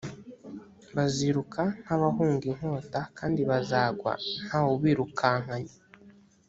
baziruka nk’ abahunga inkota kandi bazagwa nta wubirukankanye